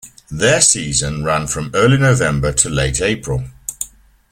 Their season ran from early November to late April.